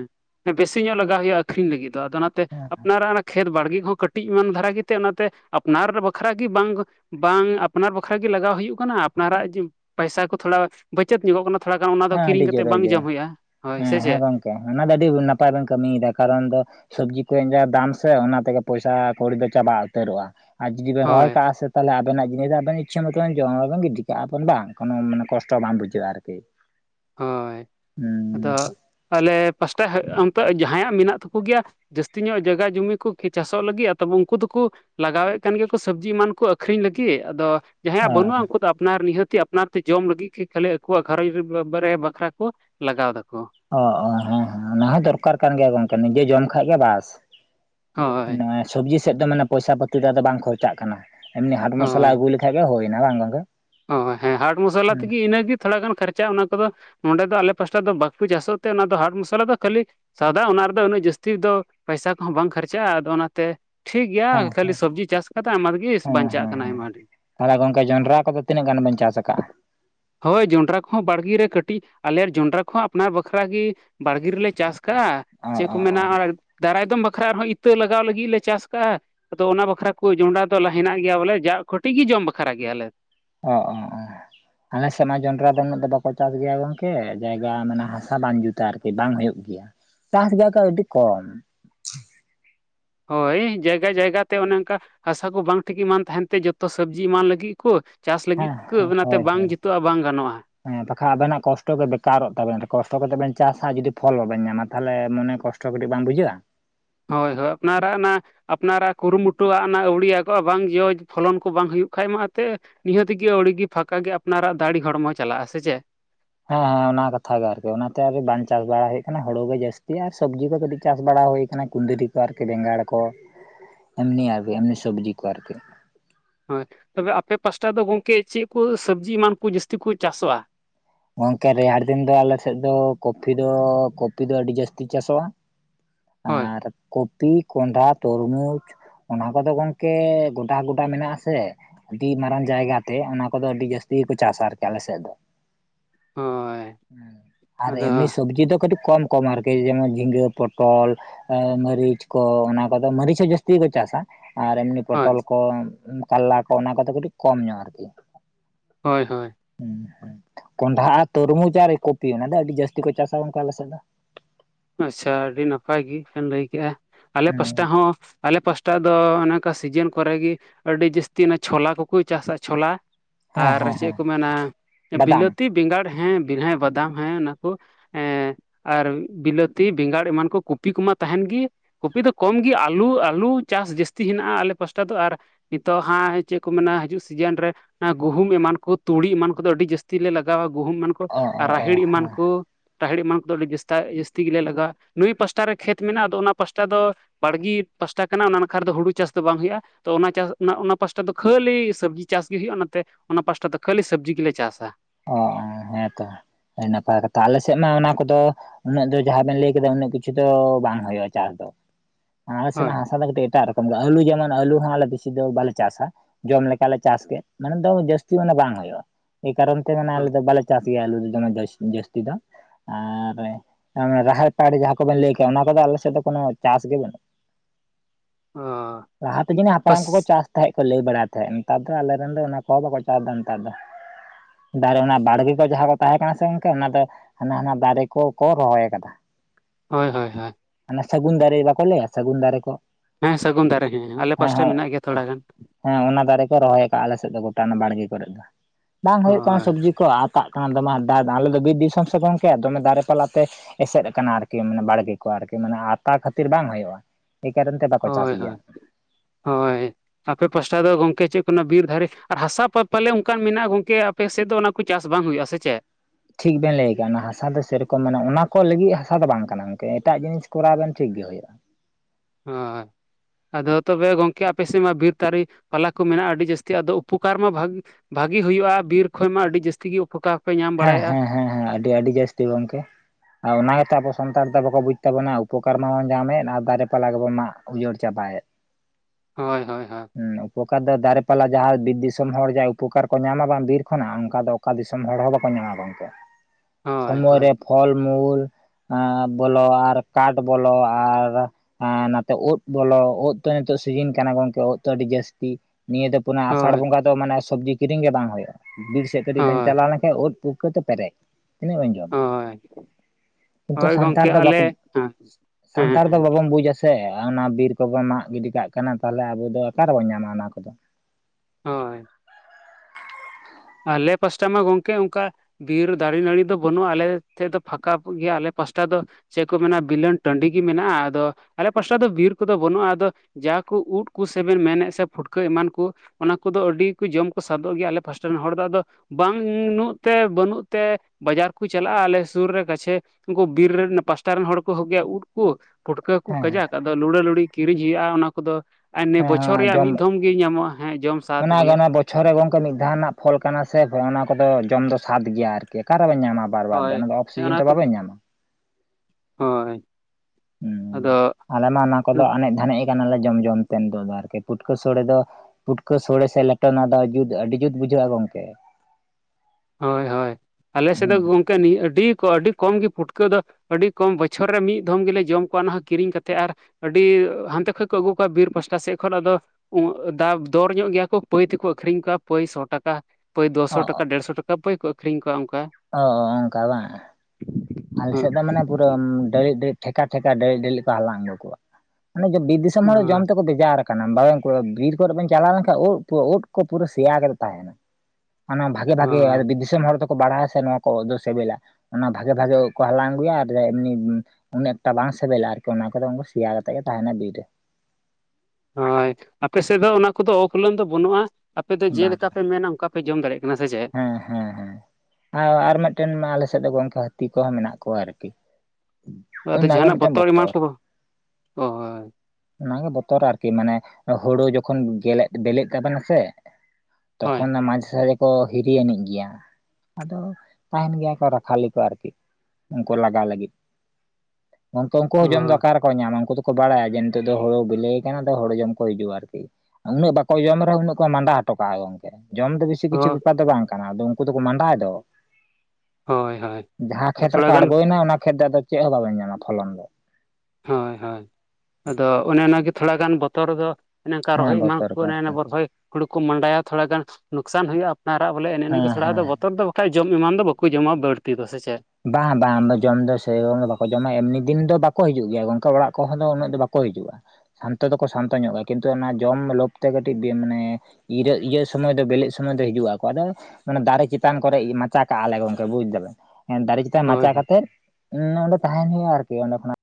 ᱵᱮᱥᱤ ᱧᱚᱜ ᱞᱟᱜᱟᱣ ᱦᱩᱭᱩᱜᱼᱟ ᱟᱹᱠᱷᱨᱤᱧ ᱞᱟᱹᱜᱤᱫ ᱫᱚ ᱟᱫᱚ ᱚᱱᱟᱛᱮ ᱦᱮᱸ ᱟᱯᱱᱟᱨᱟᱜ ᱠᱷᱮᱛ ᱵᱟᱲᱜᱮ ᱦᱚᱸ ᱠᱟᱹᱴᱤᱡ ᱮᱢᱟᱱ ᱫᱷᱟᱨᱟ ᱜᱮᱛᱮ ᱚᱱᱟᱛᱮ ᱟᱯᱱᱟᱨ ᱵᱟᱠᱷᱨᱟ ᱜᱮ ᱵᱟᱝ ᱵᱟᱝ ᱟᱯᱱᱟᱨ ᱵᱟᱠᱷᱨᱟᱜᱤ ᱞᱟᱜᱟᱣ ᱦᱩᱭᱩᱜ ᱠᱟᱱᱟ ᱟᱯᱱᱟᱨᱟᱜ ᱯᱟᱭᱥᱟ ᱠᱚ ᱛᱷᱚᱲᱟ ᱵᱟᱪᱟᱹᱫ ᱧᱚᱜᱚᱜ ᱠᱟᱱᱟ ᱛᱷᱚᱲᱟ ᱜᱟᱱ ᱚᱱᱟ ᱫᱚ ᱠᱤᱨᱤᱧ ᱟᱹᱰᱤ ᱠᱟᱛᱮ ᱡᱳᱨᱮ ᱵᱟᱝ ᱡᱳᱨ ᱡᱚᱢ ᱦᱩᱭᱩᱜᱼᱟ ᱦᱳᱭ ᱦᱮᱸ ᱥᱮ ᱦᱮᱸ ᱪᱮᱫ ᱜᱚᱝᱠᱮ ᱚᱱᱟ ᱫᱚ ᱟᱹᱰᱤ ᱱᱟᱯᱟᱭ ᱵᱮᱱ ᱠᱟᱹᱢᱤᱭᱮᱫᱟ ᱠᱟᱨᱚᱱ ᱫᱚ ᱥᱚᱵᱡᱤ ᱠᱚ ᱩᱱᱟᱹᱜ ᱫᱟᱢ ᱥᱮ ᱚᱱᱟ ᱛᱮᱜᱮ ᱯᱚᱭᱥᱟ ᱠᱚᱣᱲᱤ ᱠᱚ ᱪᱟᱵᱟ ᱩᱛᱟᱹᱨᱚᱜᱼᱟ ᱟᱨ ᱡᱩᱫᱤ ᱵᱤᱱ ᱨᱚᱦᱚᱭ ᱦᱳᱭ ᱠᱟᱜᱼᱟ ᱥᱮ ᱛᱟᱦᱚᱞᱮ ᱟᱵᱮᱱᱟᱜ ᱡᱤᱱᱤᱥ ᱫᱚ ᱟᱵᱮᱱ ᱤᱪ ᱪᱷᱟ ᱢᱚᱛᱚ ᱵᱤᱱ ᱡᱚᱢᱼᱟ ᱟᱨᱵᱤᱱ ᱜᱤᱛᱤᱡ ᱠᱟᱜᱼᱟ ᱵᱤᱱ ᱵᱟᱝ ᱠᱚᱱᱳ ᱢᱟᱱᱮ ᱠᱚᱥᱴᱚ ᱵᱟᱝ ᱵᱩᱡᱷᱟᱹᱜᱼᱟ ᱟᱨᱠᱤ᱾ ᱦᱳᱭ ᱦᱮᱸ ᱟᱫᱚ ᱟᱞᱮ ᱯᱟᱥᱴᱟ ᱚᱱᱛᱮ ᱡᱟᱦᱟᱸᱭᱟᱜ ᱢᱮᱱᱟᱜ ᱛᱟᱠᱚ ᱜᱮᱭᱟ ᱡᱟᱹᱥᱛᱤ ᱧᱚᱜ ᱡᱟᱜᱟ ᱡᱚᱢᱤ ᱠᱚ ᱠᱤ ᱪᱟᱥᱚᱜ ᱞᱟᱹᱜᱤᱫ ᱟᱫᱚ ᱩᱝᱠᱩ ᱫᱚᱠᱚ ᱞᱟᱜᱟᱣᱮᱫ ᱠᱟᱱ ᱜᱮᱭᱟᱠᱚ ᱥᱚᱵᱽᱡᱤ ᱮᱢᱟᱱ ᱠᱚ ᱟᱠᱷᱨᱤᱧ ᱞᱟᱹᱜᱤᱫ ᱟᱫᱚ ᱡᱟᱦᱟᱸᱭᱟᱜ ᱵᱟᱹᱱᱩᱜᱼᱟ ᱩᱱᱠᱩ ᱫᱚ ᱟᱯᱱᱟᱨ ᱱᱤᱦᱟᱹᱛᱤ ᱟᱯᱱᱟᱨᱛᱮ ᱡᱚᱢ ᱞᱟᱹᱜᱤᱫ ᱜᱮ ᱠᱷᱟᱹᱞᱤ ᱟᱠᱚᱣᱟᱜ ᱜᱷᱟᱨᱚᱸᱡᱽ ᱵᱟᱨᱦᱮ ᱵᱟᱠᱷᱨᱟ ᱠᱚ ᱞᱟᱜᱟᱣ ᱫᱟᱠᱚ᱾ ᱚ ᱦᱮᱸ ᱦᱮᱸ ᱚᱱᱟ ᱦᱚᱸ ᱫᱚᱨᱠᱟᱨ ᱠᱟᱱ ᱜᱮᱭᱟ ᱜᱚᱝᱠᱮ ᱱᱤᱡᱮ ᱡᱚᱢ ᱠᱷᱟᱡ ᱜᱮ ᱵᱟᱥ᱾ ᱦᱳᱭ ᱥᱚᱵᱡᱤ ᱥᱮᱫ ᱫᱚ ᱢᱟᱱᱮ ᱯᱚᱭᱥᱟ ᱯᱟᱛᱤ ᱫᱚ ᱵᱟᱝ ᱠᱷᱚᱨᱪᱟᱜ ᱠᱟᱱᱟ ᱮᱢᱱᱤ ᱦᱟᱴ ᱢᱚᱥᱞᱟ ᱟᱹᱜᱩ ᱞᱮᱠᱷᱟᱱ ᱛᱷᱮᱜᱮ ᱦᱩᱭᱱᱟ ᱵᱟᱝ ᱜᱚᱢᱠᱮ ᱜᱮ? ᱚ ᱦᱮᱸ ᱦᱟᱴ ᱢᱚᱥᱚᱞᱟ ᱛᱮᱜᱮ ᱤᱱᱟᱹᱜᱮ ᱛᱷᱚᱞᱟ ᱠᱷᱟᱱ ᱠᱷᱟᱨᱪᱟ ᱚᱱᱟ ᱠᱚᱫᱚ ᱱᱚᱰᱮ ᱫᱚ ᱟᱞᱮ ᱯᱟᱥᱴᱟ ᱫᱚ ᱵᱟᱠᱚ ᱪᱟᱥᱚᱜ ᱛᱮ ᱚᱱᱟ ᱫᱚ ᱦᱟᱴ ᱢᱚᱥᱞᱟ ᱫᱚ ᱠᱷᱟᱹᱞᱤ ᱥᱟᱣᱫᱟ ᱚᱱᱟ ᱨᱮᱫᱚ ᱩᱱᱟᱹᱜ ᱡᱟᱹᱥᱛᱤ ᱫᱚ ᱯᱟᱭᱥᱟ ᱠᱚᱦᱚᱸ ᱵᱟᱝ ᱠᱷᱟᱨᱪᱟᱜᱼᱟ ᱟᱫᱚ ᱚᱱᱟ ᱛᱮ ᱴᱷᱤᱠ ᱜᱮᱭᱟ ᱦᱮᱸ ᱠᱷᱟᱹᱞᱤ ᱥᱚᱵᱽᱡᱤ ᱪᱟᱥ ᱠᱟᱛᱮ ᱟᱭᱢᱟ ᱡᱤᱱᱤᱥ ᱵᱟᱧᱪᱟᱜ ᱠᱟᱱᱟ ᱟᱭᱢᱟ ᱰᱷᱮᱨ ᱛᱟᱞᱦᱮ ᱜᱚᱝᱠᱮ ᱡᱚᱸᱰᱨᱟ ᱠᱚᱫᱚ ᱛᱤᱱᱟᱹᱜ ᱜᱟᱱ ᱵᱮᱱ ᱪᱟᱥ ᱟᱠᱟᱟᱜᱼᱟ? ᱦᱳᱭ ᱡᱚᱸᱰᱨᱟ ᱠᱚᱦᱚᱸ ᱵᱟᱲᱜᱮ ᱨᱮ ᱠᱟᱹᱴᱤᱡ ᱟᱞᱮᱨ ᱡᱚᱸᱰᱨᱟ ᱠᱚᱦᱚᱸ ᱟᱯᱱᱟᱨ ᱵᱟᱠᱷᱨᱟ ᱜᱮ ᱵᱟᱲᱜᱮ ᱨᱮᱞᱮ ᱪᱟᱥ ᱠᱟᱜᱼᱟ ᱚ ᱪᱮᱫ ᱠᱚ ᱚ ᱢᱮᱱᱟ ᱟᱨ ᱫᱟᱨᱟᱭ ᱫᱚᱢ ᱵᱟᱠᱷᱨᱟ ᱟᱨᱦᱚᱸ ᱤᱛᱟᱹ ᱞᱟᱜᱟᱣ ᱞᱟᱹᱜᱤᱫ ᱞᱮ ᱪᱟᱥ ᱠᱟᱜᱼᱟ᱾ ᱟᱫᱚ ᱚᱱᱟ ᱵᱟᱠᱷᱨᱟ ᱠᱚ ᱡᱚᱸᱰᱨᱟ ᱫᱚ ᱦᱮᱱᱟᱜ ᱜᱮᱭᱟ ᱵᱚᱞᱮ ᱡᱟᱜ ᱠᱟᱴᱤᱡ ᱜᱮ ᱡᱚᱢ ᱵᱟᱠᱷᱨᱟ ᱜᱮᱭᱟᱞᱮ᱾ ᱚ ᱚ ᱚ- ᱟᱞᱮᱥᱮᱫ ᱢᱟ ᱡᱚᱱᱰᱨᱟ ᱫᱚ ᱩᱱᱟᱹᱜ ᱫᱚ ᱵᱟᱠᱚ ᱪᱟᱥ ᱜᱮᱭᱟ ᱜᱚᱝᱠᱮ ᱡᱟᱭᱜᱟ ᱢᱣᱱᱟᱜ ᱦᱟᱥᱟ ᱵᱟᱝ ᱡᱩᱛᱟ ᱟᱨᱠᱤ᱾ ᱵᱟᱝ ᱦᱩᱭᱩᱜ ᱜᱮᱭᱟ ᱪᱟᱥ ᱜᱟᱜᱟ ᱠᱚ ᱟᱹᱰᱤ ᱠᱚᱢ᱾ ᱦᱳᱭ ᱡᱟᱭᱜᱟ ᱡᱟᱭᱜᱟ ᱛᱮ ᱚᱱᱮ ᱚᱝᱠᱟ ᱦᱟᱥᱟ ᱠᱚ ᱵᱟᱝ ᱴᱷᱤᱠ ᱮᱢᱟᱱ ᱛᱟᱦᱮᱱ ᱛᱮ ᱡᱚᱛᱚ ᱥᱚᱵᱽᱡᱤ ᱮᱢᱟᱱ ᱞᱟᱹᱜᱤᱫ ᱠᱳ ᱪᱟᱥ ᱞᱟᱹᱜᱤᱫ ᱦᱮᱸ ᱠᱟᱹ ᱚᱱᱟᱛᱮ ᱦᱳᱭ ᱵᱟᱝ ᱦᱳᱭ ᱡᱩᱛᱟᱹᱜ-ᱟ ᱵᱟᱝ ᱜᱟᱱᱚᱜ-ᱟ ᱦᱮᱸ ᱵᱟᱠᱷᱟᱜ ᱟᱵᱮᱱᱟᱜ ᱠᱚᱥᱴᱚ ᱜᱮ ᱵᱮᱠᱟᱨᱚᱜ ᱛᱟᱵᱮᱱᱟ ᱠᱚᱥᱴᱚ ᱠᱟᱛᱮᱜ ᱵᱮᱱ ᱪᱟᱥᱟ ᱡᱩᱫᱤ ᱯᱷᱚᱞ ᱵᱟᱵᱮᱱ ᱧᱟᱢᱟ ᱛᱟᱦᱞᱮ ᱢᱚᱱᱮ ᱠᱚᱥ ᱴᱚ ᱠᱟᱹᱤᱡ ᱵᱟᱝ ᱵᱩᱡᱷᱟᱹᱜ-ᱟ ᱦᱳᱭ ᱦᱳᱭ ᱟᱯᱱᱟᱨᱟᱜ ᱚᱱᱟ ᱟᱯᱱᱟᱨᱟᱜ ᱠᱩᱨᱩᱢᱩᱴᱩᱣᱟᱜ ᱚᱱᱟ ᱟᱹᱣᱲᱤᱭᱟᱜ-ᱟ ᱵᱟᱝ ᱡᱚ ᱯᱷᱚᱞᱚᱱ ᱠᱚ ᱵᱟᱝ ᱦᱩᱭᱩᱜ ᱠᱷᱟᱱᱡ ᱢᱟ ᱚᱛᱮ ᱱᱤᱦᱟᱹᱛᱤᱜᱮ ᱟᱹᱣᱲᱤ ᱜᱮ ᱯᱷᱟᱠᱟ ᱜᱮ ᱟᱯᱱᱟᱨᱟᱜ ᱫᱟᱲᱮ ᱦᱚᱲᱢᱚ ᱪᱟᱞᱟᱜ ᱟᱥᱮ ᱪᱮᱜ ᱦᱮᱸ ᱦᱮᱸ ᱚᱱᱟ ᱠᱟᱛᱷᱟ ᱜᱮ ᱟᱨᱠᱤ ᱚᱱᱟᱛᱮ ᱟᱨ ᱵᱟᱝ ᱪᱟᱥ ᱵᱟᱲᱟ ᱦᱩᱭ ᱠᱟᱱᱟ ᱦᱳᱲᱳ ᱜᱮ ᱡᱟᱹᱥᱛᱤ ᱟᱨ ᱥᱚᱵᱽᱡᱤ ᱠᱚ ᱠᱟᱹᱴᱤᱡ ᱪᱟᱥ ᱵᱟᱲᱟ ᱦᱩᱭ ᱠᱟᱱᱟ ᱠᱩᱸᱫᱨᱤ ᱠᱚ ᱟᱨᱠᱤ ᱵᱮᱸᱜᱟᱲ ᱠᱚ ᱮᱢᱱᱤ ᱟᱨᱠᱤ ᱮᱢᱱᱤ ᱥᱚᱵᱽᱡᱤ ᱠᱚ ᱟᱨᱠᱤ ᱦᱚᱭ ᱛᱚᱵᱮ ᱟᱯᱮ ᱯᱟᱥᱴᱟ ᱫᱚ ᱜᱚᱝᱠᱮ ᱪᱮᱜ ᱠᱚ ᱥᱟᱵᱽᱡᱤ ᱮᱢᱟᱱ ᱠᱚ ᱡᱟᱹᱥᱛᱤ ᱠᱚ ᱪᱟᱥᱚᱜᱼᱟ ᱜᱚᱝᱠᱮ ᱨᱮᱭᱟᱲ ᱫᱤᱱ ᱫᱚ ᱟᱞᱮ ᱥᱮᱫ ᱫᱚ ᱠᱚᱯᱷᱤ ᱫᱚ ᱠᱚᱯᱤ ᱫᱚ ᱟᱹᱰᱤ ᱡᱟᱹᱥᱛᱤ ᱪᱟᱥᱚᱜᱼᱟ ᱦᱳᱭ ᱟᱨ ᱠᱚᱯᱤ ᱠᱚᱸᱰᱷᱟ ᱛᱚᱨᱢᱩᱡᱽ ᱚᱱᱟ ᱠᱚᱫᱚ ᱜᱚᱝᱠᱮ ᱜᱚᱰᱟ ᱜᱚᱰᱟ ᱢᱮᱱᱟᱜ ᱟᱥᱮ ᱟᱹᱫᱤ ᱢᱟᱨᱟᱝ ᱡᱟᱭᱜᱟᱛᱮ ᱚᱱᱟ ᱠᱚᱫᱚ ᱟᱹᱰᱤ ᱡᱟᱹᱥᱛᱤ ᱜᱮᱠᱚ ᱪᱟᱥᱟ ᱟᱨᱠᱤ ᱟᱞᱮ ᱥᱮᱫ ᱫᱚ ᱦᱚᱭ ᱟᱨ ᱮᱢᱱᱤ ᱥᱚᱵᱽᱡᱤ ᱫᱚ ᱠᱟᱹᱴᱤᱡ ᱠᱚᱢ ᱠᱚᱢ ᱟᱨᱠᱤ ᱡᱮᱢᱚᱱ ᱡᱷᱤᱸᱜᱟᱹ ᱯᱚᱴᱚᱞ ᱮᱸ ᱢᱟᱹᱨᱤᱪ ᱠᱚ ᱚᱱᱟ ᱠᱚᱫᱚ ᱢᱟᱹᱨᱤᱪ ᱦᱚᱸ ᱡᱟᱹᱥᱛᱤ ᱜᱮᱠᱚ ᱪᱟᱥᱟ ᱟᱨ ᱮᱢᱱᱤ ᱦᱳᱭ ᱯᱚᱴᱚᱞ ᱠᱚ ᱠᱟᱞᱞᱟ ᱠᱚ ᱚᱱᱟ ᱠᱚᱫᱚ ᱠᱟᱹᱴᱤᱡ ᱠᱚᱢ ᱧᱚᱜ ᱟᱨᱠᱤ ᱦᱳᱭ ᱦᱳᱭ ᱦᱩᱸ ᱦᱩᱸ ᱠᱚᱸᱰᱷᱟ ᱟᱨ ᱛᱩᱨᱢᱩᱡᱽ ᱟᱨ ᱠᱚᱯᱤ ᱚᱱᱟ ᱫᱚ ᱟᱹᱰᱤ ᱡᱟᱹᱥᱛᱤ ᱠᱚ ᱪᱟᱥᱟ ᱜᱚᱝᱠᱮ ᱟᱞᱮᱥᱮᱫ ᱫᱚ ᱟᱪᱪᱷᱟ ᱟᱹᱰᱤ ᱱᱟᱯᱟᱭ ᱜᱮ <unintelligible> ᱞᱟᱹᱭ ᱠᱮᱜ-ᱟ ᱟᱞᱮ ᱦᱩᱸ ᱯᱟᱥᱴᱟ ᱦᱚᱸ ᱟᱞᱮ ᱯᱟᱥᱴᱟ ᱫᱚ ᱚᱱᱮ ᱚᱝᱠᱟ ᱥᱤᱡᱤᱱ ᱠᱚᱨᱮ ᱜᱮ ᱟᱹᱰᱤ ᱡᱟᱹᱥᱛᱤ ᱚᱱᱟ ᱪᱷᱚᱞᱟ ᱠᱚᱠᱚ ᱪᱟᱥᱟ ᱪᱷᱚᱞᱟ ᱦᱮᱸ ᱟᱨ ᱦᱮᱸ ᱦᱮᱸ ᱪᱮᱜ ᱠᱚ ᱢᱮᱱᱟ ᱵᱟᱫᱟᱢ ᱵᱤᱞᱟᱹᱛᱤ ᱵᱮᱸᱜᱟᱲ ᱦᱮᱸ ᱵᱮ ᱵᱟᱫᱟᱢ ᱦᱮᱸ ᱚᱱᱟ ᱠᱚ ᱮᱸᱻ ᱟᱨ ᱵᱤᱞᱟᱹᱛᱤ ᱵᱮᱸᱜᱟᱲ ᱮᱢᱟᱱ ᱠᱚ ᱠᱩᱯᱤ ᱠᱚᱢᱟ ᱛᱟᱦᱮᱸᱱ ᱜᱮ ᱠᱩᱯᱤ ᱫᱚ ᱠᱚᱢ ᱜᱮ ᱟᱞᱩ ᱟᱞᱩ ᱪᱟᱥ ᱡᱟᱹᱥᱛᱤ ᱦᱮᱱᱟᱜ-ᱟ ᱟᱞᱮ ᱯᱟᱥᱴᱟ ᱫᱚ ᱟᱨ ᱱᱤᱛᱚᱜ ᱦᱟᱸᱜ ᱪᱮᱜ ᱠᱚ ᱢᱮᱱᱟ ᱦᱟᱹᱡᱩᱜ ᱥᱤᱡᱮᱱ ᱨᱮ ᱚᱸ ᱜᱩᱦᱩᱢ ᱮᱢᱟᱱ ᱠᱚ ᱛᱩᱲᱤ ᱮᱢᱟᱱ ᱠᱚᱫᱚ ᱟᱹᱰᱤ ᱡᱟᱹᱥᱛᱤ ᱞᱮ ᱞᱟᱜᱟᱣᱟ ᱜᱩᱦᱩᱢ ᱮᱢᱟᱱ ᱠᱚ ᱚ ᱚ ᱟᱨ ᱚ ᱨᱟᱦᱤᱲ ᱦᱮᱸ ᱮᱢᱟᱱ ᱠᱳ ᱨᱟᱦᱤᱲ ᱮᱢᱟᱱ ᱠᱚᱫᱚ ᱟᱹᱰᱤ ᱡᱟᱹᱥ ᱛᱟᱜ ᱡᱟᱹᱥᱛᱤ ᱜᱮᱞᱮ ᱞᱟᱜᱟ-ᱟ ᱱᱟᱹᱭ ᱯᱟᱥᱴᱟ ᱨᱮ ᱠᱷᱮᱛ ᱢᱮᱱᱟᱜ-ᱟ ᱟᱫᱚ ᱚᱱᱟ ᱯᱟᱥᱴᱟ ᱫᱚ ᱵᱟᱲᱜᱤ ᱯᱟᱥᱴᱟ ᱠᱟᱱᱟ ᱚᱱᱟ ᱱᱟᱠᱷᱟᱨᱮᱫᱚ ᱦᱩᱲᱩ ᱪᱟᱥ ᱫᱚ ᱵᱟᱝ ᱦᱩᱭᱩᱜ-ᱟ ᱛᱚ ᱚᱱᱟ ᱪᱟᱥ ᱚᱱᱟ ᱚᱱᱟ ᱯᱟᱥᱴᱟ ᱫᱚ ᱠᱷᱟᱹᱞᱤ ᱥᱟᱹᱵᱽᱡᱤ ᱪᱟᱥ ᱜᱮ ᱦᱩᱭᱩᱜ-ᱟ ᱚᱱᱟᱛᱮ ᱚᱱᱟ ᱯᱟᱥᱴᱟ ᱫᱚ ᱠᱷᱟᱹᱞᱤ ᱥᱟᱹᱵᱽᱡᱤ ᱜᱮᱞᱮ ᱪᱟᱥᱟ ᱚ ᱦᱮᱸ ᱛᱚ ᱟᱹᱫᱤ ᱱᱟᱯᱟᱭ ᱠᱟᱛᱷᱟ ᱟᱞᱮ ᱥᱮᱜ ᱢᱟ ᱚᱱᱟ ᱠᱚᱫᱚ ᱩᱱᱟᱹᱜ ᱫᱚ ᱡᱟᱦᱟ ᱵᱮᱱ ᱞᱟᱹᱭ ᱠᱮᱫᱟ ᱩᱱᱟᱹᱜ ᱠᱤᱪᱷᱩ ᱫᱚ ᱵᱟᱝ ᱦᱩᱭᱩᱜ-ᱟ ᱪᱟᱥ ᱫᱚ ᱟᱞᱮ ᱥᱮᱱᱟᱜ ᱦᱳᱭ ᱦᱟᱸᱥ ᱟᱞᱮ ᱫᱚ ᱠᱟᱴᱤᱡ ᱮᱴᱟᱜ ᱨᱚᱠᱚᱢ ᱜᱮ ᱟᱞᱩ ᱡᱮᱢᱚᱱ ᱟᱞᱩ ᱦᱚᱸ ᱟᱞᱮ ᱵᱮᱥᱤ ᱫᱚ ᱵᱟᱞᱮ ᱪᱟᱥᱟ ᱡᱚᱢ ᱞᱮᱠᱟᱞᱮ ᱪᱟᱥ ᱠᱮᱫ ᱢᱟᱱᱮ ᱫᱚ ᱡᱟᱹᱥᱛᱤ ᱢᱟᱱᱮ ᱵᱟᱝ ᱦᱩᱭᱩᱜ-ᱟ ᱮᱭ ᱠᱟᱨᱚᱱ ᱛᱮ ᱢᱟᱱᱮ ᱚ ᱟᱞᱮ ᱫᱚ ᱵᱟᱞᱮ ᱪᱟᱥ ᱡᱟᱹᱥ ᱟᱞᱩ ᱫᱚ ᱫᱚᱢᱮ ᱡᱟᱹᱥᱛᱤ ᱫᱚ ᱟᱨ ᱨᱟᱦᱮᱲ ᱯᱟᱲᱮ ᱡᱟᱦᱟᱸ ᱠᱚᱵᱮᱱ ᱞᱟᱹᱭ ᱠᱮᱜ-ᱟ ᱚᱱᱟ ᱠᱚᱫᱚ ᱟᱞᱮ ᱥᱮᱫ ᱫᱚ ᱠᱳᱱᱳ ᱪᱟᱥ ᱜᱮ ᱵᱟᱹᱱᱩᱜ-ᱟ ᱞᱟᱦᱟᱛᱮ ᱡᱟᱹᱱᱤ ᱦᱟᱯᱲᱟᱢ ᱵᱟᱥ ᱠᱚᱠᱚ ᱪᱟᱥ ᱛᱟᱦᱮᱸᱜ ᱠᱚ ᱞᱟᱹᱭ ᱵᱟᱲᱟᱭ ᱛᱟᱦᱮᱸᱜ ᱱᱮᱛᱟᱨ ᱫᱚ ᱟᱞᱮᱨᱮᱱ ᱫᱚ ᱚᱱᱟ ᱠᱚᱦᱚᱸ ᱵᱟᱠᱚ ᱪᱟᱥ ᱫᱟ ᱱᱮᱛᱟᱨ ᱫᱚ ᱫᱟᱲᱮ ᱚᱱᱟ ᱵᱟᱲᱜᱮ ᱠᱚ ᱡᱟᱦᱟ ᱠᱚ ᱛᱟᱦᱮ ᱠᱟᱱᱟ ᱥᱮ ᱜᱚᱝᱠᱮ ᱚᱱᱟ ᱫᱚ ᱦᱟᱱᱟ ᱦᱟᱱᱟ ᱫᱟᱨᱮ ᱠᱚ ᱠᱚ ᱨᱚᱦᱚᱭ ᱠᱟᱫᱟ ᱦᱳᱭ ᱦᱳᱭ ᱦᱳᱭ ᱚᱱᱮ ᱥᱟᱹᱜᱩᱱ ᱫᱟᱨᱮ ᱵᱟᱠᱚ ᱞᱟᱹᱭᱟ ᱥᱟᱹᱜᱩᱱ ᱫᱟᱨᱮ ᱠᱚ ᱦᱮᱸ ᱥᱟᱹᱜᱩᱱ ᱫᱟᱨᱮ ᱦᱮᱸ ᱟᱞᱮ ᱯᱟᱥᱴᱟ ᱢᱮᱱᱟᱜ ᱜᱮᱭᱟ ᱛᱷᱚᱲᱟ ᱜᱟᱱ ᱦᱮᱸ ᱚᱱᱟ ᱫᱟᱨᱮ ᱠᱚ ᱨᱚᱦᱚᱭ ᱠᱟᱜ-ᱟ ᱟᱞᱮ ᱥᱮᱫ ᱫᱚ ᱜᱚᱴᱟ ᱚᱱᱟ ᱵᱟᱲᱜᱮ ᱠᱚᱨᱮ ᱫᱚ ᱵᱟᱝ ᱦᱩᱭᱩᱜ ᱠᱟᱱᱟ ᱦᱳᱭ <unintelligible> ᱟᱞᱮ ᱫᱚ ᱵᱤᱨ ᱫᱤᱥᱚᱢ ᱥᱮ ᱜᱚᱝᱠᱮ ᱫᱚᱢᱮ ᱫᱟᱨᱮ ᱯᱟᱞᱟᱛᱮ ᱮᱥᱮᱫ ᱠᱟᱱᱟ ᱟᱨᱠᱤ ᱢᱟᱱᱮ ᱵᱟᱲᱜᱮ ᱠᱚ ᱟᱨᱠᱤ ᱢᱟᱱᱮ ᱟᱛᱟ ᱠᱷᱟᱹᱛᱤᱨ ᱵᱟᱝ ᱦᱩᱭᱩᱜ-ᱟ ᱮᱭ ᱠᱟᱨᱚᱱ ᱛᱮ ᱦᱳᱭ ᱦᱳᱭ ᱦᱳᱭ ᱟᱯᱮ ᱯᱟᱥᱴᱟ ᱫᱚ ᱜᱚᱝᱠᱮ ᱪᱮᱜ ᱠᱚ ᱱᱟ ᱵᱤᱨ ᱫᱷᱟᱨᱮ ᱟᱨ ᱦᱟᱥᱟ ᱯᱟᱼᱯᱟᱞᱮ ᱚᱝᱠᱟᱱ ᱢᱮᱱᱟᱜᱼᱟ ᱜᱚᱝᱠᱮ ᱟᱯᱮ ᱥᱮᱫ ᱫᱚ ᱚᱱᱟ ᱠᱚ ᱪᱟᱥ ᱵᱟᱝ ᱦᱩᱭᱩᱜ ᱟ ᱥᱮ ᱪᱮᱫ ᱴᱷᱤᱠ ᱵᱮᱱ ᱞᱟᱹᱭ ᱠᱟᱫᱼᱟ ᱚᱱᱟ ᱦᱟᱥᱟ ᱫᱚ ᱥᱮᱨᱚᱠᱚᱢ ᱢᱟᱱᱮ ᱚᱱᱟ ᱠᱚ ᱞᱟᱹᱜᱤᱫ ᱦᱟᱥᱟ ᱫᱚ ᱵᱟᱝ ᱠᱟᱱᱟ ᱮᱴᱟᱜ ᱡᱤᱱᱤᱥ ᱠᱚᱨᱟᱣ ᱵᱮᱱ ᱴᱷᱤᱠ ᱜᱮ ᱦᱩᱭᱩᱜᱼᱟ ᱦᱳᱭ ᱟᱫᱚ ᱛᱚᱵᱮ ᱜᱚᱢᱠᱮ ᱟᱯᱮ ᱥᱮᱫ ᱢᱟ ᱵᱤᱨ ᱛᱟᱨᱮ ᱯᱟᱞᱟ ᱠᱚ ᱢᱮᱱᱟᱜᱼᱟ ᱟᱹᱰᱤ ᱡᱟᱹᱥᱛᱤ ᱟᱫᱚ ᱩᱯᱚᱠᱟᱨ ᱢᱟ ᱵᱷᱟ ᱵᱷᱟᱜᱤ ᱦᱩᱭᱩᱜᱼᱟ ᱵᱤᱨ ᱠᱷᱚᱡ ᱢᱟ ᱟᱹᱰᱤ ᱡᱟᱹᱥᱛᱤ ᱜᱮ ᱩᱯᱚᱠᱟ ᱦᱮᱸ ᱦᱮᱸ ᱦᱮᱸ ᱦᱮᱸ ᱟᱹᱰᱤ ᱟᱹᱰᱤ ᱡᱟᱹᱥᱛᱤ ᱜᱚᱝᱠᱮ ᱟᱨ ᱚᱱᱟᱛᱮ ᱟᱵᱚ ᱥᱟᱱᱛᱟᱲ ᱫᱚ ᱵᱟᱠᱚ ᱵᱩᱡ ᱛᱟᱵᱚᱱᱟ ᱩᱯᱚᱠᱟᱨ ᱢᱟᱵᱚᱱ ᱧᱟᱢᱮᱫ ᱟᱨ ᱫᱟᱨᱮ ᱯᱟᱞᱟ ᱜᱮᱵᱚᱱ ᱢᱟᱜ ᱩᱡᱟᱹᱲ ᱪᱟᱵᱟᱭᱮᱫ ᱦᱳᱭ ᱦᱳᱭ ᱦᱳᱭ ᱦᱮᱸ ᱩᱯᱚᱠᱟᱨ ᱫᱚ ᱫᱟᱨᱮ ᱯᱟᱞᱟ ᱡᱟᱦᱟᱸ ᱵᱤᱨ ᱫᱤᱥᱚᱢ ᱦᱚᱲᱟᱭ ᱩᱯᱚᱠᱟᱨ ᱠᱚ ᱧᱟᱢᱟ ᱵᱟᱝ ᱵᱤᱨ ᱠᱷᱚᱱᱟᱜ ᱚᱱᱠᱟ ᱫᱚ ᱚᱠᱟ ᱫᱤᱥᱚᱢ ᱦᱚᱲ ᱦᱚᱸ ᱵᱟᱝ ᱵᱟᱝ ᱠᱚ ᱧᱟᱢᱟ ᱜᱚᱝᱠᱮ ᱦᱳᱭ ᱥᱚᱢᱚᱭ ᱦᱳᱭ ᱨᱮ ᱯᱷᱚᱞ ᱢᱩᱞ ᱟᱨ ᱵᱚᱞᱚ ᱟᱨ ᱠᱟᱴ ᱵᱚᱞᱚ ᱟᱨ ᱱᱟᱛᱮ ᱩᱫ ᱵᱚᱞᱚ ᱩᱫ ᱛᱚ ᱱᱤᱛᱚᱜ ᱥᱤᱡᱤᱱ ᱠᱟᱱᱟ ᱜᱚᱝᱠᱮ ᱩᱫ ᱛᱚ ᱟᱹᱰᱤ ᱡᱟᱹᱥᱛᱤ ᱱᱤᱭᱟᱹ ᱫᱚ ᱚᱱᱟ ᱟᱥᱟᱲ ᱦᱳᱭ ᱵᱚᱸᱜᱟ ᱫᱚ ᱢᱟᱱᱮ ᱥᱚᱵᱽᱡᱤ ᱠᱤᱨᱤᱧ ᱜᱮ ᱵᱟᱝ ᱦᱩᱭᱩᱜ-ᱟ ᱵᱤᱨ ᱥᱮᱫ ᱠᱟᱹᱴᱤᱡ ᱵᱮᱱ ᱦᱳᱭ ᱪᱟᱞᱟᱣ ᱞᱮᱱᱠᱷᱟᱱ ᱩᱫ ᱯᱩᱠᱟ. ᱛᱮ ᱯᱮᱨᱮᱡ ᱛᱤᱱᱟᱹᱜ ᱵᱤᱱ ᱡᱚᱢ ᱦᱳᱭ ᱠᱤᱱᱛᱩ ᱦᱳᱭ ᱥᱟᱱᱛᱟᱲ ᱜᱚᱝᱠᱮ ᱫᱚ ᱵᱟᱠᱚ ᱟᱞᱮ ᱦᱮᱸ ᱦᱮᱸ ᱥᱟᱱᱛᱟᱲ ᱫᱚ ᱦᱮᱸ ᱵᱟᱵᱚᱱ ᱵᱩᱡᱟ ᱥᱮ ᱚᱱᱟ ᱵᱤᱨ ᱠᱚᱵᱚᱱ ᱢᱟᱜ ᱜᱤᱰᱤ ᱠᱟᱜ ᱠᱟᱱᱟ ᱛᱟᱦᱚᱞᱮ ᱟᱵᱚ ᱫᱚ ᱚᱠᱟᱨ ᱨᱮᱵᱚᱱ ᱧᱟᱢᱟ ᱚᱱᱟ ᱠᱚᱫᱚ ᱦᱳᱭ ᱟᱞᱮ ᱯᱟᱥᱴᱟ ᱢᱟ ᱜᱚᱢᱠᱮ ᱚᱱᱠᱟ ᱵᱤᱨ ᱫᱟᱨᱮ ᱱᱟᱹᱲᱤ ᱫᱚ ᱵᱟᱹᱱᱩᱜᱼᱟ ᱟᱞᱮ ᱥᱮᱫ ᱫᱚ ᱯᱷᱟᱸᱠᱟ ᱜᱮᱭᱟ ᱟᱞᱮ ᱯᱟᱥᱴᱟ ᱫᱚ ᱪᱮᱫ ᱠᱚ ᱢᱮᱱᱟ ᱵᱤᱞᱟᱹᱱ ᱴᱟᱺᱰᱤ ᱜᱮ ᱢᱮᱱᱟᱜᱼᱟ ᱟᱫᱚ ᱟᱞᱮ ᱯᱟᱥᱴᱟ ᱫᱚ ᱵᱤᱨ ᱠᱚᱫᱚ ᱵᱟᱹᱱᱩᱜᱼᱟ ᱟᱫᱚ ᱡᱟ ᱠᱚ ᱩᱫ ᱠᱚ ᱥᱮᱵᱮᱱ ᱢᱮᱱᱮᱫ ᱥᱮ ᱯᱷᱩᱴᱠᱟᱹ ᱮᱢᱟᱱᱠᱩ ᱚᱱᱟ ᱠᱚᱫᱚ ᱟᱹᱰᱤ ᱠᱚ ᱡᱚᱢ ᱠᱚ ᱥᱟᱫᱚᱜ ᱜᱮᱭᱟ ᱟᱞᱮ ᱯᱟᱥᱴᱟ ᱨᱮᱱ ᱦᱚᱲ ᱫᱚ ᱟᱫᱚ ᱵᱟᱝ ᱵᱩᱱᱩᱜ ᱛᱮ ᱵᱟᱹᱱᱩᱜ ᱛᱮ ᱵᱟᱡᱟᱨ ᱠᱚ ᱪᱟᱞᱟᱜᱼᱟ ᱟᱞᱮ ᱥᱩᱨ ᱨᱮ ᱠᱟᱪᱷᱮ ᱩᱱᱠᱩ ᱵᱤᱨ ᱨᱮᱱ ᱯᱟᱥᱴᱟ ᱨᱮᱱ ᱦᱚᱲ ᱠᱚ ᱦᱟᱜᱩᱭᱟ ᱩᱫ ᱩᱫ ᱠᱚ ᱯᱷᱩᱴᱠᱟᱹ ᱠᱚ ᱦᱮᱸ ᱠᱟᱡᱟᱠ ᱟᱫᱚ ᱞᱩᱲᱟᱹ ᱞᱩᱲᱤ ᱠᱤᱨᱤᱧ ᱦᱩᱭᱩᱜᱼᱟ ᱚᱱᱟ ᱠᱚᱫᱚ ᱟᱨ ᱦᱮᱸ ᱵᱚᱪᱷᱚᱨ ᱦᱮᱸ ᱨᱮᱭᱟᱜ ᱡᱚᱢ ᱢᱤᱫ ᱫᱷᱚᱢ ᱜᱮ ᱧᱟᱢᱚᱜᱼᱟ ᱦᱮᱸ ᱡᱚᱢ ᱥᱟᱫ ᱚᱱᱟᱜᱮ ᱵᱚᱞᱮ ᱚᱱᱟ ᱵᱚᱪᱷᱚᱨ ᱨᱮ ᱜᱚᱝᱠᱮ ᱢᱤᱫ ᱫᱷᱟᱣ ᱨᱮᱱᱟᱜ ᱯᱷᱚᱞ ᱠᱟᱱᱟ ᱥᱮ ᱚᱱᱟ ᱠᱚᱫᱚ ᱡᱚᱢ ᱫᱚ ᱥᱟᱫ ᱜᱮᱭᱟ ᱟᱨᱠᱤ ᱚᱠᱟᱨᱮᱵᱚᱱ ᱧᱟᱢᱟ ᱵᱟᱨ ᱵᱟᱨ ᱫᱚ ᱦᱳᱭ ᱚᱱᱟ ᱫᱚ ᱦᱮᱸ ᱚᱯᱷᱥᱤᱡᱮᱱ ᱚᱱᱟ ᱛᱚ ᱠᱚ ᱵᱟᱵᱮᱱ ᱧᱟᱢᱟ ᱦᱳᱭ ᱦᱮᱸ ᱟᱫᱚ ᱟᱞᱮ ᱢᱟ ᱚᱱᱟ ᱠᱚᱫᱚ ᱮᱱᱮᱡ ᱫᱷᱟᱱᱤᱡ ᱠᱟᱱᱟᱞᱮ ᱡᱚᱢ ᱡᱚᱢ ᱛᱮ ᱟᱨᱠᱤ ᱯᱩᱴᱠᱟᱹ ᱥᱚᱲᱮ ᱫᱚ ᱯᱩᱴᱠᱟᱹ ᱥᱚᱲᱮ ᱥᱮ ᱞᱮᱴᱚ ᱚᱱᱟ ᱫᱚ ᱡᱩᱛ ᱟᱹᱰᱤ ᱡᱩᱛ ᱵᱩᱡᱷᱟᱹᱜᱼᱟ ᱜᱚᱢᱠᱮ ᱦᱳᱭ ᱦᱳᱭ ᱟᱞᱮ ᱥᱮᱫ ᱫᱚ ᱜᱚᱢᱠᱮ ᱱᱤᱭᱟᱹ ᱟᱹᱰᱤ ᱟᱹᱰᱤ ᱠᱚᱢ ᱜᱮᱮ ᱯᱷᱩᱴᱠᱟᱹ ᱫᱚ ᱟᱹᱰᱤ ᱠᱚᱢ ᱵᱚᱪᱷᱚᱨ ᱨᱮ ᱢᱤᱫ ᱫᱷᱚᱢ ᱜᱮᱞᱮ ᱡᱚᱢ ᱠᱚᱣᱟ ᱚᱱᱟ ᱦᱚᱸ ᱠᱤᱨᱤᱧ ᱠᱟᱛᱮᱫ ᱟᱨ ᱟᱹᱰᱤ ᱦᱟᱱᱛᱮ ᱠᱷᱚᱱ ᱠᱚ ᱟᱹᱜᱩ ᱠᱚᱣᱟ ᱵᱤᱨ ᱯᱟᱥᱴᱟ ᱥᱮᱫ ᱠᱷᱚᱱ ᱟᱫᱚ ᱫᱟ ᱫᱚᱨ ᱧᱚᱜ ᱜᱮᱭᱟ ᱠᱚ ᱯᱟᱹᱭ ᱛᱮᱠᱚ ᱟᱹᱠᱷᱨᱤᱧ ᱠᱚᱣᱟ ᱯᱟᱹᱭ ᱥᱚ ᱴᱟᱠᱟ ᱯᱟᱹᱭ ᱫᱚᱥᱚ ᱚ ᱴᱟᱠᱟ ᱰᱮᱲᱥᱚ ᱴᱟᱠᱟ ᱯᱟᱹᱭ ᱠᱚ ᱟᱹᱠᱷᱨᱤᱧ ᱠᱚᱣᱟ ᱚᱱᱠᱟ ᱚ ᱚᱱᱠᱟ ᱵᱟᱝ ᱟᱞᱮ ᱦᱳᱭ ᱥᱮᱫ ᱫᱚ ᱢᱟᱱᱮ ᱯᱩᱨᱟᱹ ᱰᱟᱹᱞᱤᱡ ᱰᱟᱹᱞᱤᱡ ᱴᱷᱮᱠᱟ ᱴᱷᱮᱠᱟ ᱰᱟᱹᱞᱤᱡ ᱰᱟᱹᱞᱤᱡ ᱠᱚ ᱦᱟᱞᱟᱝ ᱟᱹᱜᱩ ᱠᱚᱣᱟ ᱢᱟᱱᱮ ᱚᱱᱟ ᱫᱚ ᱥᱚᱢ ᱦᱚᱲ ᱡᱚᱢ ᱦᱳᱭ ᱛᱮᱠᱚ ᱵᱮᱡᱟᱨ ᱠᱟᱱᱟ ᱵᱮᱱ ᱵᱤᱨ ᱠᱚᱨᱮ ᱵᱮᱱ ᱪᱟᱞᱟᱣ ᱞᱮᱱᱠᱷᱟᱱ ᱩᱫ ᱩᱫ ᱠᱚ ᱯᱩᱨᱟᱹ ᱥᱮᱭᱟ ᱠᱟᱛᱮᱫ ᱛᱟᱦᱮᱱᱟ ᱚᱱᱟ ᱵᱷᱟᱜᱮ ᱵᱷᱟᱜᱮ ᱦᱳᱭ ᱵᱤᱨ ᱫᱤᱥᱚᱢ ᱦᱚᱲ ᱫᱚᱠᱚ ᱵᱟᱲᱟᱭᱟ ᱥᱮ ᱱᱚᱣᱟ ᱠᱚ‌ᱳᱫ ᱫᱚ ᱥᱤᱵᱤᱞᱟ ᱚᱱᱟ ᱵᱷᱟᱜᱮ ᱵᱷᱟᱜᱮ ᱠᱮ ᱠᱚ ᱦᱟᱞᱟᱝ ᱟᱹᱜᱩᱭᱟ ᱮᱢᱱᱤ ᱩᱱᱟᱹ ᱮᱠᱴᱟ ᱵᱟᱝ ᱥᱤᱵᱮᱞᱟ ᱟᱨᱠᱤ ᱚᱱᱟ ᱠᱚᱫᱚ ᱩᱱᱠᱩ ᱥᱮᱭᱟ ᱠᱟᱛᱮᱜ ᱜᱮ ᱛᱟᱦᱮᱱᱟ ᱵᱤᱨ ᱨᱮ ᱦᱳᱭ ᱟᱯᱮ ᱥᱮᱫ ᱫᱚ ᱚᱱᱟ ᱠᱚᱫᱚ ᱚᱠᱩᱞᱟ. ᱱ ᱫᱚ ᱵᱟᱹᱱᱩᱜᱼᱟ ᱟᱯᱮ ᱫᱚ ᱡᱮ ᱵᱟᱝ ᱞᱮᱠᱟ ᱯᱮ ᱵᱟᱝ ᱢᱮᱱᱟ ᱚᱱᱠᱟ ᱯᱮ ᱡᱚᱢ ᱫᱟᱲᱮᱭᱟᱜ ᱠᱟᱱᱟ ᱥᱮ ᱪᱮᱫ ᱦᱮᱸ ᱦᱮᱸ ᱟᱨ ᱢᱤᱫᱴᱮᱱ ᱟᱞᱮᱥᱮᱫ ᱫᱚ ᱜᱚᱝᱠᱮ ᱦᱟᱹᱛᱤ ᱠᱚᱦᱚᱸ ᱢᱮᱱᱟᱜ ᱠᱚᱣᱟ ᱟᱨᱠᱤ ᱟᱫᱚ ᱚᱱᱟᱜᱮ ᱡᱟᱦᱟᱸᱱᱟᱜ ᱢᱤᱫᱴᱮᱱ ᱵᱚᱛᱚᱨ ᱮᱢᱟᱱ ᱠᱚ ᱦᱳᱭ ᱚᱱᱟᱜᱮ ᱵᱚᱛᱚᱨ ᱟᱨᱠᱤ ᱢᱟᱱᱮ ᱦᱳᱲᱳ ᱡᱚᱠᱷᱚᱱ ᱜᱮᱞᱮ ᱵᱮᱞᱮᱫ ᱛᱟᱵᱮᱱᱟ ᱥᱮ ᱦᱳᱭ ᱛᱚᱠᱷᱚᱱ ᱫᱚ ᱢᱟᱡᱷᱮ ᱥᱟᱡᱷᱮ ᱠᱚ ᱦᱤᱨᱤ ᱟᱹᱱᱤᱡ ᱜᱮᱭᱟ᱾ ᱟᱫᱚ ᱛᱟᱦᱮᱱ ᱜᱮᱭᱟ ᱠᱚ ᱨᱟᱠᱷᱟᱞᱤ ᱠᱚ ᱟᱨᱠᱤ ᱩᱱᱠᱩ ᱞᱟᱜᱟ ᱞᱟᱹᱜᱤᱫ ᱩᱱᱠᱩ ᱩᱱᱠᱩ ᱦᱚᱸ ᱡᱚᱢ ᱫᱚ ᱚᱠᱟ ᱨᱮᱠᱚ ᱧᱟᱢᱟ ᱩᱱᱠᱩ ᱫᱚᱠᱚ ᱵᱟᱲᱟᱭᱟ ᱡᱮ ᱱᱤᱛᱳᱜ ᱫᱚ ᱦᱩᱲᱩ ᱵᱮᱞᱮ ᱠᱟᱱᱟ ᱦᱩᱲᱩ ᱡᱚᱢ ᱠᱚ ᱦᱤᱡᱩᱜ-ᱟ ᱟᱨᱠᱤ ᱩᱱᱟᱹᱜ ᱵᱟᱠᱚ ᱡᱚᱢ ᱨᱮᱦᱚᱸ ᱩᱱᱟᱹᱜ ᱠᱚ ᱢᱟᱸᱰᱟ ᱦᱚᱴᱚ ᱠᱟᱜ-ᱟ ᱜᱚᱢᱠᱮ ᱡᱚᱢ ᱫᱚ ᱵᱮᱥᱤ ᱪᱮᱫ ᱦᱳᱭ ᱠᱤᱪᱷᱩ ᱵᱮᱯᱟᱨ ᱫᱚ ᱵᱟᱝ ᱠᱟᱱᱟ ᱟᱫᱚ ᱩᱱᱠᱩ ᱫᱚᱠᱚ ᱢᱟᱸᱰᱟᱭ ᱫᱚ ᱦᱳᱭ ᱦᱳᱭ ᱡᱟᱦᱟᱸ ᱟᱫᱚ ᱠᱷᱮᱛ ᱛᱷᱚᱲᱟ ᱨᱮᱠᱚ ᱜᱟᱱ ᱟᱬᱜᱚᱭᱮᱱᱟ ᱚᱱᱟ ᱠᱷᱮᱛ ᱨᱮᱫᱚ ᱪᱮᱫ ᱦᱚᱸ ᱵᱟᱵᱮᱱ ᱧᱟᱢᱟ ᱯᱷᱚᱞᱚᱱ ᱫᱚ ᱦᱳᱭ ᱦᱳᱭ ᱟᱫᱚ ᱚᱱᱮ ᱚᱱᱟ ᱜᱮ ᱛᱷᱚᱲᱟ ᱜᱟᱱ ᱵᱚᱛᱚᱨ ᱫᱚ ᱚᱱᱮᱝᱠᱟ ᱦᱮᱸ ᱨᱚᱦᱚᱭ ᱮᱢᱟᱱ ᱵᱚᱛᱚᱨ ᱠᱚ ᱜᱮ ᱚᱱᱮ ᱚᱱᱟ ᱟᱨᱠᱤ ᱵᱚ ᱨᱚᱦᱚᱭ ᱦᱩᱲᱩ ᱠᱚ ᱢᱟᱸᱰᱟᱭᱟ ᱛᱷᱚᱲᱟᱜᱟᱱ ᱞᱚᱠᱥᱟᱱ ᱦᱩᱭᱩᱜᱼᱟ ᱟᱯᱱᱟᱨᱟᱜ ᱵᱚᱞᱮ ᱮᱱᱮ ᱮᱱᱮ ᱜᱮ ᱦᱮᱸ ᱛᱷᱚᱲᱟ ᱦᱮᱸ ᱟᱫᱚ ᱵᱚᱛᱚᱨ ᱫᱚ ᱵᱟᱠᱷᱟᱡ ᱡᱚᱢ ᱮᱢᱟᱱ ᱫᱚ ᱵᱟᱠᱚ ᱡᱚᱢᱟ ᱵᱟᱹᱲᱛᱤ ᱫᱚ ᱥᱮ ᱪᱮᱫ ᱵᱟᱝ ᱵᱟᱝ ᱡᱚᱢ ᱫᱚ ᱥᱮᱨᱚᱠᱚᱢ ᱫᱚ ᱵᱟᱠᱚ ᱡᱚᱢᱟ ᱮᱢᱱᱤ ᱫᱤᱱ ᱫᱚ ᱵᱟᱠᱚ ᱦᱤᱡᱩᱜ ᱜᱮᱭᱟ ᱜᱚᱝᱠᱮ ᱚᱲᱟᱜ ᱠᱚᱦᱚᱸ ᱫᱚ ᱩᱱᱟᱹᱜ ᱫᱚ ᱵᱟᱠᱚ ᱦᱤᱡᱩᱜᱼᱟ ᱥᱟᱱᱛᱚ ᱫᱚᱠᱚ ᱥᱟᱱᱛᱚ ᱧᱚᱜ ᱜᱮᱭᱟ ᱠᱤᱱᱛᱩ ᱚᱱᱮ ᱡᱚᱢ ᱞᱳᱵᱷ ᱛᱮ ᱠᱟᱹᱴᱤᱡ ᱫᱤ ᱢᱟᱱᱮ ᱤᱨᱟᱹ ᱤᱭᱟᱹ ᱥᱚᱢᱚᱭ ᱫᱚ ᱵᱮᱞᱮᱜ ᱥᱚᱢᱚᱭ ᱫᱚ ᱦᱤᱡᱩᱜ ᱟᱠᱚ ᱟᱫᱚ ᱢᱟᱱᱮ ᱫᱟᱨᱮ ᱪᱮᱛᱟᱱ ᱠᱚᱨᱮ ᱢᱟᱪᱟ ᱠᱟᱜ ᱟᱞᱮ ᱜᱚᱢᱠᱮ ᱵᱩᱡ ᱫᱟ ᱵᱮᱱ ᱦᱮᱸ ᱫᱟᱨᱮ ᱪᱮᱛᱟᱱ ᱦᱳᱭ ᱢᱟᱪᱟ ᱠᱟᱛᱮᱜ ᱚᱸᱰᱮ ᱛᱟᱦᱮᱸᱱ ᱦᱩᱭᱩᱜᱼᱟ ᱟᱨᱠᱤ ᱚᱸᱰᱮ ᱠᱷᱚᱱᱟᱜ